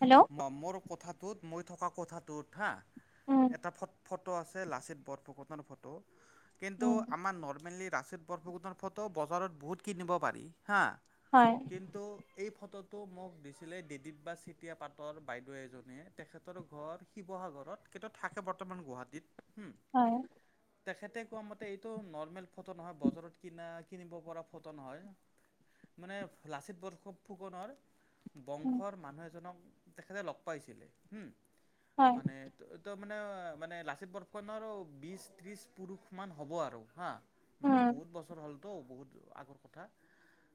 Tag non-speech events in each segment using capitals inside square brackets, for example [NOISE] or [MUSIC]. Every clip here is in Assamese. হেল্ল'? অ', মোৰ কোঠাটোত মই থকা কোঠাটোত উম হা' এটা ফট ফট ফটো আছে লাচিত বৰফুকনৰ ফটো, কিন্তু উম আমাৰ নৰ্মেলি লাচিত বৰফুকনৰ ফটো বজাৰত বহুত কিনিব পাৰি হা'। হয়। কিন্তু এই ফটোটো মোক দিছিলে দিদিপ দাচ চেতিয়া পাট তৰ বাইদেউ এজনীয়ে, তেখেতৰ ঘৰ শিৱসাগৰত, কিন্তু থাকে বৰ্তমান গুৱাহাটীত। হয়। তেখেতে কোৱা মতে এইটো নৰ্মেল ফটো নহয়, বজাৰত কিনা কিনিব পৰা ফটো নহয়। মানে লাচিত বৰফুকনৰ উম বংশৰ মানুহ এজনক তেখেতে লগ পাইছিলে, উম। হয় মানে ত তো মানে মানে লাচিত বৰফুকনৰ আৰু বিশ ত্ৰিশ পুৰুষ মান হ'ব আৰু হা'। মানে উম বহুত বছৰ হ'লতো, বহুত আগৰ কথা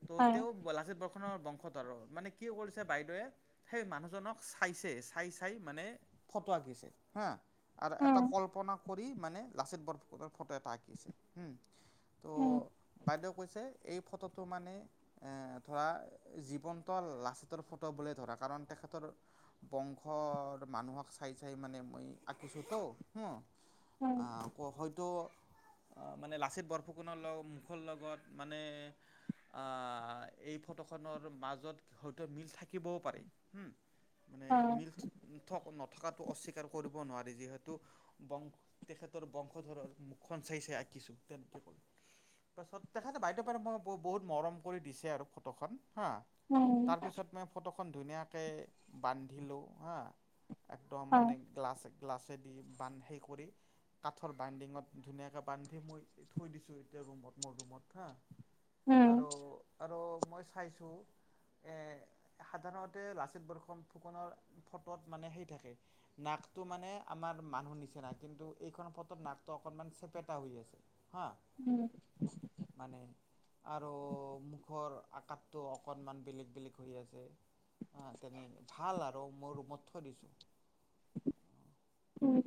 ত' হয় তেওঁ লাচিত বৰফুকনৰ বংশত আৰু মানে কি কৰিছে বাইদেৱে সেই মান নুহ জনক চাইছে, চাই চাই মানে ফটো আঁকিছে হা', আৰু উম এটা কল্পনা কৰি মানে লাচিত বৰফুকনৰ ফটো এটা আঁকিছে। উম ত' বাইদেউ কৈছে এই ফটোটো মানে এ, ফটোটো ধৰা জীৱন্ত লাচিতৰ ফটো বুলিয়েই ধৰা। কাৰণ তেখেত তৰ বংশৰ মানুহক চাই চাই মানে মই আঁকিছোঁ তো হ'। উম অ' আকৌ হয়তো মানে লাচিত বৰফুকনৰ লগত মুখৰ লগত মানে এই ফটোখনৰ মাজত হয়তো মিল থাকিবও পাৰে। মানে হয় মিল থ নথকাটো অস্বীকাৰ কৰিব নোৱাৰি। যিহেতু বংশ তেখেতৰ বংশধৰৰ মুখখন চাই চাই আঁকিছো। তেনেকে কল তাৰপাছত তেখেতে বাইদেউ পাৰে মই বহুত মৰম কৰি দিছে আৰু ফটোখন হা'। উম। তাৰপিছত মই ফটোখন ধুনীয়াকৈ বান্ধিলোঁ হা'। একদম হয় মানে গ্লাছ গ্লাছে দি বান্ধি কৰি কাঠৰ বাইণ্ডিঙত ধুনীয়াকৈ বান্ধি মই থৈ দিছোঁ এতিয়া ৰুমত মোৰ ৰুমত হা'। উম আৰু আৰু মই চাইছো এ সাধাৰণ তে লাচিত বৰফুকনৰ ফটোত মানে সেই থাকে। নাকটো মানে আমাৰ মানুহ নিচিনা, কিন্তু এইখন ফটত নাকটো অকণমান চেপেটা হৈ আছে হা'। উম, মানে আৰু মুখৰ আকাৰটো অকণমান বেলেগ বেলেগ হৈ আছে। তেনে ভাল আৰু মোৰ ৰুমত থৈ দিছোঁ। উম,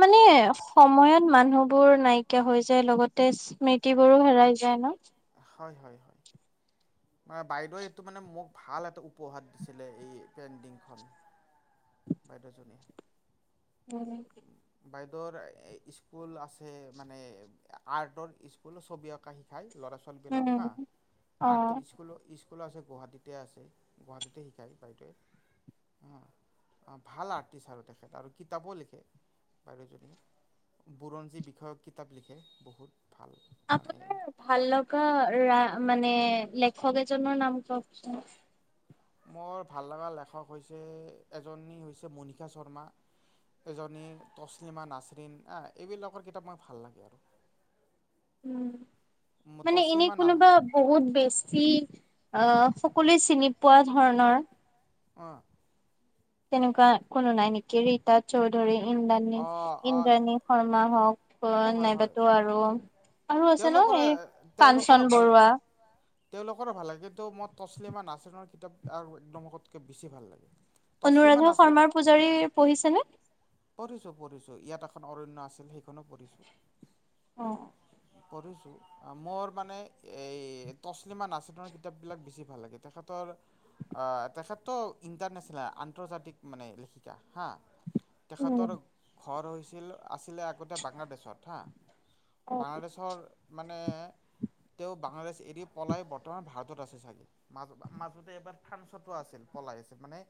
মানে ফটোখন। সময়ত মানুহ বোৰ নাইকিয়া হৈ যায়, লগতে স্মৃতি বোৰো হেৰাই যায় ন? হয়, হয়, হয়। মানে বাইদেৱে এইটো মানে মোক ভাল এটা উপহাৰ দিছিলে, এই পেইণ্টিংখন। বাইদেউজনীয়ে। উম, বাইদেউৰ স্কুল আছে মানে আৰ্টৰ স্কুল ছবি অঁকা শিকাই ল'ৰা ছোৱালীবিলাক হা। উম অ আৰ্টৰ স্কুল স্কুলো স্কুলো আছে গুৱাহাটীতে আছে। গুৱাহাটীতে শিকায় বাইদেৱে হুম। ভাল আৰ্টিষ্ট আৰু তেখেত, আৰু কিতাপো লিখে বাইদেউজনীয়ে। বুৰঞ্জী বিষয়ক কিতাপ লিখে, বহুত ভাল মানে। আপোনাৰ ভাল লগা ৰা মানে লেখক এজনৰ নাম কওকচোন? মোৰ ভাল লগা লেখক হৈছে, এজনী হৈছে মণীষা শৰ্মা। এজনী তছলিমা নাচৰিণ আ, এইবিলাকৰ কিতাপ মই ভাল লাগে আৰু। উম। আৰু মানে এনে তছলিমা না কোনোবা বহুত বেছি, আ সকলোৱে চিনি পোৱা ধৰণৰ। অ। তেনেকুৱা কোনো নাই নেকি? ৰীতা চৌধুৰী ইন্দ্ৰাণী অঁ অঁ ইন্দ্ৰাণী শৰ্মা হওক? হয় হয় অ'নাইবাতো আৰু, আৰু আছে ন তেওঁলোকৰে এই তেওঁলোকৰো কাঞ্চন ভাল বৰুৱা। তেওঁলোকৰো ভাল লাগে। কিন্তু, মই তছলিমা নাচিনৰ কিতাপ একদমতকৈ বেছি ভাল লাগে। তছলিমা অনুৰাধা নাচৰিন শৰ্মাৰ পূজাৰী পঢ়িছেনে? পঢ়িছো, পঢ়িছো। ইয়াত এখন অৰণ্য আছিল, সেইখনো পঢ়িছোঁ। অ। পঢ়িছোঁ। মোৰ মানে এই তছলিমা নাছ ৰিনৰ কিতাপবিলাক বেছি ভাল লাগে। তেখেতৰ, অ তেখেতটো ইণ্টাৰনেচনেল আন্তৰ্জাতিক মানে লেখিকা হা। উম তেখেতৰ ঘৰ হৈছিল আছিলে আগতে বাংলাদেশত হা। অ বাংলাদেশৰ মানে তেওঁ বাংলাদেশ এৰি পলাই বৰ্তমান ভাৰতত আছে চাগে? মাজত মাজতে এবাৰ ফান্সতো আছিল পলাই আছিল। মানে,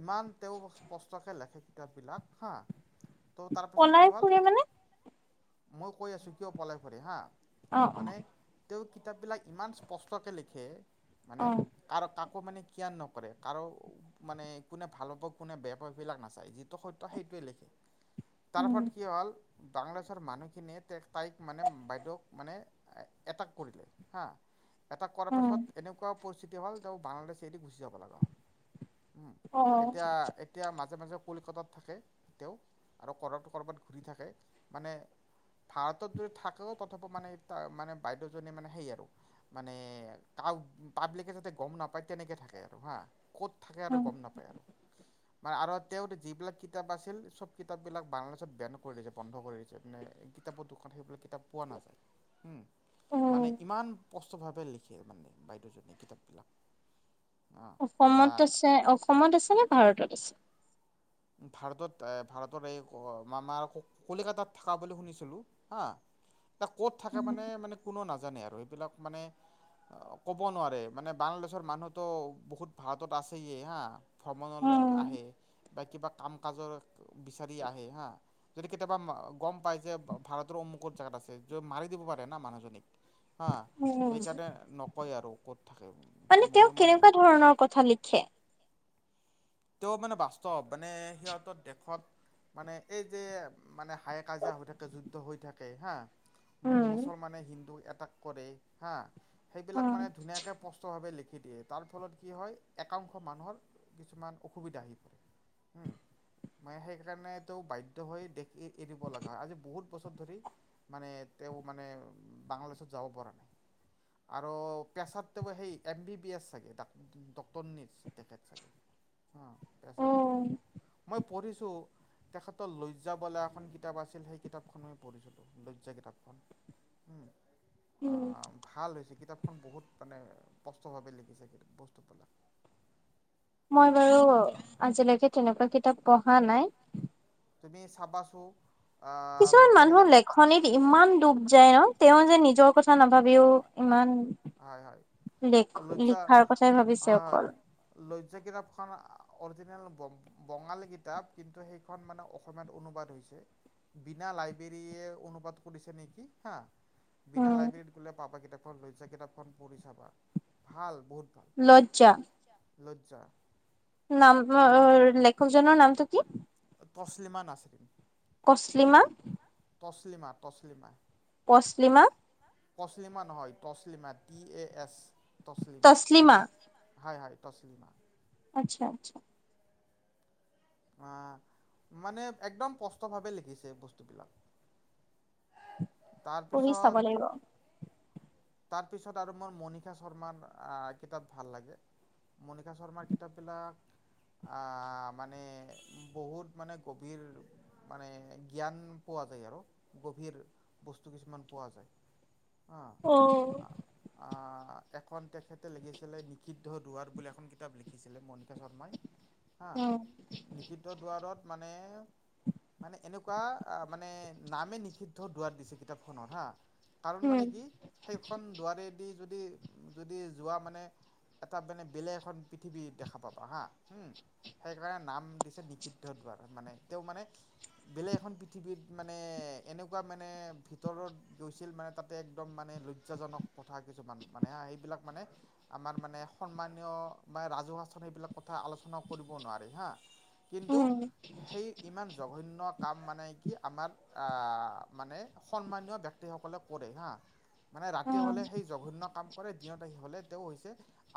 ইমান তেওঁ স্পষ্টকৈ লেখে কিতাপবিলাক হাঁ। ত' তাৰপাছত পলাই কি হ'ল? ফুৰে মানে মই কৈ আছোঁ কিয় পলাই ফুৰে হাঁ। অ অ মানে তেওঁ কিতাপবিলাক ইমান স্পষ্টকে লিখে, অ মানে? কাৰ কাকো মানে কিয়াৰ নকৰে। কাৰো মানে কোনে ভাল পাব, কোনে বেয়া পাব, সেইবিলাক নাচায়। যিটো সত্য সেইটোৱে লিখে। তাৰ উম ওপৰত কি হল, বাংলাদেশৰ মানুহখিনিয়ে তে তাইক মানে বাইদেউক মানে এটাক কৰিলে হা। এটাক কৰাৰ উম পিছত এনেকুৱা পৰিস্থিতি হ'ল, তেওঁ বাংলাদেশ এৰি গুচি যাব লগা হ'ল। উম, অ এতিয়া এ তিয়া মাজে মাজে কলিকতাত থাকে তেওঁ। আৰু ক'ৰবাত ক'ৰবাত ঘূৰি থাকে। মানে, ভাৰতত যদি থাকেও তথাপিও মানে ত' মানে বাইদেউজনী মানে সেই আৰু। মানে, কাৱ পাব্লিকে যাতে গম নাপায় তেনেকৈ থাকে আৰু হাঁ। ক'ত থাকে আৰু উম গম নাপায় আৰু। মানে আৰু তেওঁ যিবিলাক কিতাপ আছিল, চব কিতাপবিলাক বাংলাদেশত বেন কৰি দিছে, বন্ধ কৰি দিছে। মানে, কিতাপৰ দোকান সেইবিলাক কিতাপ পোৱা নাযায়। উম। উম মানে ইমান স্পষ্টভাৱে লিখে মানে বাইদেউজনে কিতাপবিলাক। অসমত আছে? অসমত আছে নে ভাৰতত আছে? ভাৰতত এ, ভাৰতৰ এই মামাৰ কলিকাতাত থকা বুলি শুনিছিলোঁ। হা। এ ক'ত থাকে উম মানে মানে কোনো নাজানে আৰু এইবিলাক মানে, ক'ব নোৱাৰে মানে বাংলাদেশৰ মানুহতো বহুত ভাৰতত আছেহিয়ে হা ভ্ৰমণলৈ আহে বা কিবা কাম কাজৰ বিচাৰি আহে হা যদি কেতিয়াবা গম পায় যে ভাৰতৰ অমুক জেগাত আছে যত মাৰি দিব পাৰে না মানুহজনীক হা উম সেইকাৰণে নকয় আৰু ক'ত থাকে মানে তেওঁ কেনেকুৱা ধৰণৰ কথা লিখে তেওঁ মানে বাস্তৱ মানে সিহঁতৰ দেশত মানে এই যে মানে হাই কাজিয়া হৈ থাকে যুদ্ধ হৈ থাকে হা মু উম মুছলমানে হিন্দু এটাক কৰে হা অ সেইবিলাক মানে ধুনীয়াকে স্পষ্টভাৱে লিখি দিয়ে তাৰ ফলত কি হয় একাংশ মানুহৰ কিছুমান অসুবিধা আহিল হুম মানে সেইকাৰণেটো বাধ্য হৈ দেশ এ এৰিব লগা হয় আজি বহুত বছৰ ধৰি মানে তেওঁ মানে বাংলাদেশত যাব পৰা নাই আৰু পেছাতটো সেই এম বি বি এছ চাগে ডা ডক্তৰনী আছিল চাগে অ অ পেছাত মই পঢ়িছোঁ তেখেতৰ লজ্জা বলা এখন কিতাপ আছিল সেই কিতাপখন মই পঢ়িছিলোঁ লজ্জা কিতাপখন উম আ উম ভাল হৈছে কিতাপখন বহুত মানে স্পষ্টভাৱে লিখিছে বস্তুবিলাক মই বাৰু আজিলৈকে তেনেকুৱা কিতাপ পঢ়া নাই তুমি চাবাচো কিছুমান মানুহৰ লেখক লেখনিত ইমান ডুব যায় ন তেওঁ যে নিজৰ কথা নাভাবেও ইমান হয় হয় লিখ লজ্জা লিখাৰ কথাই ভাবিছে হয় হয় অকল লজ্জা কিতাপখন অৰিজিনেল ব'ক বঙালী কিতাপ কিন্তু সেইখন মানে অসমীয়াত অনুবাদ হৈছে বিনা লাইব্ৰেৰীয়ে অনুবাদ কৰিছে নেকি হা বিনা উম লাইব্ৰেৰীত গ'লে পাবা কিতাপখন লজ্জা কিতাপখন পঢ়ি চাবা ভাল বহুত লজ্জা লজ্জা লজ্জা নাম অ অ লেখকজনৰ নামটো কি টচলিমান আছে কচলিমা টছলিমা টছলিমা পছলিমা টছলিমা নহয় Taslima T A S Taslima Taslima Taslima হয় হয় টছলিমা আচ্ছা আচ্ছা আ মানে একদম স্পষ্টভাৱে লিখিছে বস্তুবিলাক পঢ়ি চাব তাৰপিছত লাগিব। তাৰপিছত আৰু মোৰ মণিষা শৰ্মাৰ আ কিতাপ ভাল লাগে মণিষা শৰ্মাৰ কিতাপ বিলাক আ মানে বহুত মানে গভীৰ মানে জ্ঞান পোৱা যায় আৰু গভীৰ বস্তু কিছুমান পোৱা যায় অ আ এখন তেখেতে লিখিছিলে নিষিদ্ধ দুৱাৰ বুলি এখন কিতাপ লিখিছিলে মণিষা শৰ্মাই হাঁ উম নিষিদ্ধ দুৱাৰত মানে মানে এনেকুৱা আ মানে নামে নিষিদ্ধ দুৱাৰ দিছ এই কিতাপখন অহা, কাৰণ মানে কি উম সেইখন দুৱাৰেদি যদি যদি যোৱা মানে এটা বেনে বেলেগ এখন পৃথিৱী দেখা পাবা হা হুম। সেইকাৰণে নাম দিছে নিষিদ্ধ দুৱাৰ মানে তেওঁ মানে বেলেগ এখন পৃথিৱীত মানে এনেকুৱা মানে ভিতৰত গৈছিল মানে তাতে একদম মানে লজ্জাজনক কথা কিছুমান মানে হা সেইবিলাক মানে আমাৰ মানে সন্মানীয় মানে ৰাজহুৱা স্থানত সেইবিলাক কথা আলোচনাও কৰিব নোৱাৰি হা। কিন্তু সেই ইমান জঘন্য কাম মানে কি আমাৰ আ মানে সন্মানীয় ব্যক্তিসকলে কৰে হা মানে ৰাতি উম হ'লে সেই জঘন্য কাম কৰে দিনত আহি হ'লে তেওঁ হৈছে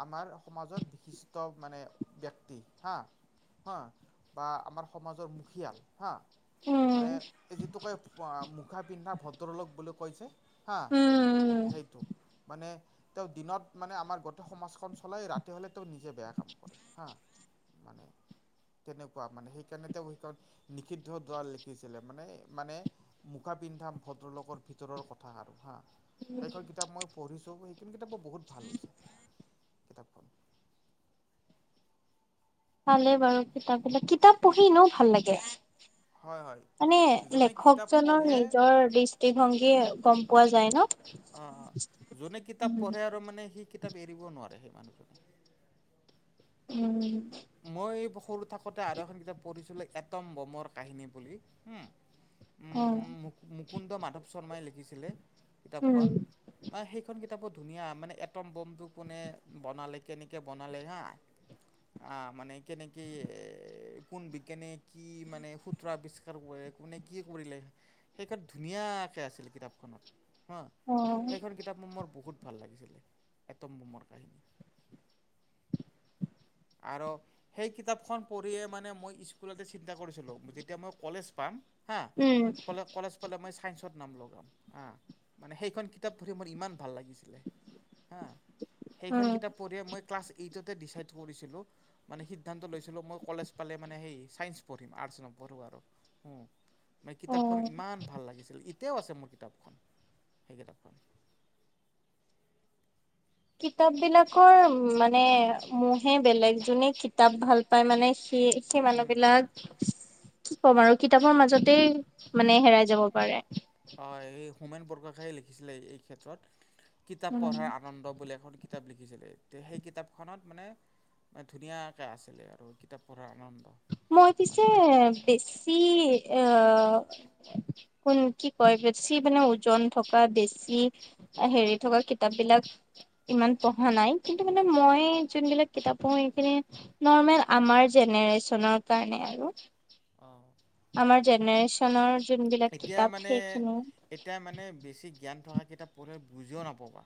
আমাৰ সমাজৰ বিশিষ্ট মানে ব্যক্তি হা। হা বা আমাৰ সমাজৰ মুখিয়াল হা। মানে উম এই যিটো কয় ফু আ মুখা পিন্ধা ভদ্ৰলোক বুলি কয় যে। হা উম সেইটো মানে তেওঁ দিনত মানে আমাৰ গোটেই সমাজখন চলাই ৰাতি হ'লে তেওঁ নিজে বেয়া কাম কৰে হা। মানে তেনেকুৱা মানে সেইকাৰণে তেওঁ সেইকাৰণ নিষিদ্ধ দুৱাৰ লিখিছিলে মানে মানে মুখা পিন্ধা ভদ্ৰলোকৰ ভিতৰৰ কথা আৰু হা সেইখন কিতাপ মই পঢ়িছোঁ সেইখিনি কিতাপো বহুত ভাল হৈছে কিতাপখন। চালে বাৰু কিতাপবিলাক, কিতাপ পঢ়ি এনেও ভাল লাগে। হয় হয় মানে যোনে কিতাপ লেখকজনৰ পঢ়ে নিজৰ দৃষ্টিভংগী গম পোৱা যায় ন? অ অ, যোনে কিতাপ উম, পঢ়ে আৰু মানে সি কিতাপ এৰিব নোৱাৰে সেই মানুহজনে। উম। মই সৰু থাকোতে আৰু এখন কিতাপ পঢ়িছিলোঁ এটম বমৰ কাহিনী বুলি উম। অ। মুকুন্দ মাধৱ শৰ্মাই লিখিছিলে কিতাপখন। মা সেইখন কিতাপো ধুনীয়া মানে এটম বমটো কোনে বনালে, কেনেকে বনালে হা? আ মানে কেনেকে কোন বিজ্ঞানে কি মানে সু ত্ৰ আৱিষ্কাৰ কৰে, কোনে কি কৰিলে সেইখন ধুনীয়াকে আছিল কিতাপখনত। হা উম, সেইখন কিতাপ ম মোৰ বহুত ভাল লাগিছিলে, এটম বোমৰ কাহিনী। [INAUDIBLE] আৰু সেই কিতাপখন পঢ়িয়ে মানে মই স্কুলতে চিন্তা কৰিছিলোঁ যেতিয়া মই কলেজ পাম হা উম, কলে- কলেজ পালে মই ছাইন্সত নাম লগাম হা। মানে সেইখন কিতাপ পঢ়ি মোৰ ইমান ভাল লাগিছিলে হা সেইখন কিতাপ পঢ়িয়ে মই ক্লাছ এইটতে ডিচাইড কৰিছিলোঁ। মানে সিদ্ধান্ত লৈছিলোঁ মই কলেজ পালে মানে সেই ছাইন্স পঢ়িম, আৰ্টচ নপঢ়োঁ আৰু। উম, মা উম, কিতাপখন ইমান ভাল লাগিছিল এতিয়াও আছে মোৰ কিতাপখন। সেই কিতাপখন। কিতাপবিলাকৰ মানে মহে বেলেগ যোনে কিতাপ ভাল পায় মানে সি সেই উম মানুহবিলাক কি ক'ম আৰু কিতাপৰ মাজতে মানে হেৰাই যাব পাৰে। অ এই হোমেন বৰগোহাঞিয়ে লিখিছিলে এই ক্ষেত্ৰত, কিতাপ উম, পঢ়াৰ আনন্দ বুলি এখন কি কিতাপ লিখিছিলে তে সেই কিতাপখনত মানে মানে ধুনীয়াকে আছিলে আৰু কিতাপ পঢ়াৰ আনন্দ। মই পিছে মানে বেছি আ কোন কি কয়, বেছি মানে ওজন থকা বেছি হেৰি থকা কিতাপবিলাক ইমান পঢ়া নাই কিন্তু মানে মই যোনবিলাক কিতাপ পঢ়ো সেইখিনি নৰ্মেল আমাৰ জেনেৰেচনৰ কাৰণে আৰু। অ'। আমাৰ জেনেৰেচনৰ যোনবিলাক এতিয়া কিতাপ মানে সেইখিনি। এতিয়া মানে বেছি জ্ঞান থকা কিতাপ পঢ়িলে বুজিও নাপাবা।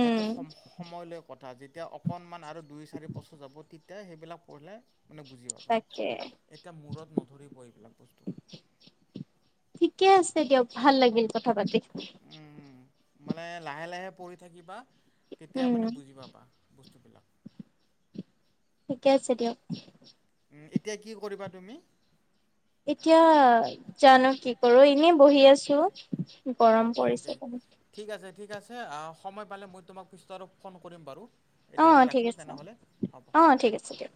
সেইটো সম-সময় লৈ কথা, যেতিয়া অকণমান আৰু দুই চাৰি বছৰ যাব তে তেতিয়া সেইবিলাক পঢ়িলে মানে বুজি পাবা, তাকে এতিয়া মূৰত নধৰিব এইবিলাক বস্তু। ঠিকে আছে দিয়ক, ভাল লাগিল কথা পাতি। মানে লাহে লাহে পঢ়ি থাকিবা তেতিয়া উম মানে বুজি পাবা। বস্তুবিলাক। ঠিকে আছে দিয়ক। উ, এতিয়া কি কৰিবা তুমি? এতিয়া জানো কি কৰোঁ, এনে বহি আছোঁ। অ' অ'কে অ'কে, ঠিক আছে, ঠিক আছে, সময় পালে মই তোমাক পিছত আৰু ফোন কৰিম বাৰু। অ এতিয়ালৈ ঠিক ৰাখোঁ আছে তেনেহ'লে, হ'ব। অ ঠিক আছে দিয়ক